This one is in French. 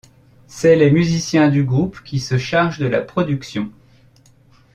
C'est les musiciens du groupe qui se chargent de la production.